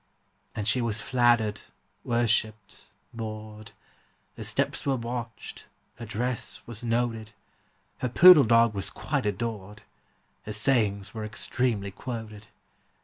And she was flattered, worshipped, bored; Her steps were watched, her dress was noted; Her poodle dog was quite adored; Her sayings were extremely quoted.